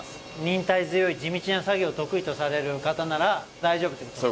忍耐強い地道な作業を得意とされる方なら大丈夫ってことですね。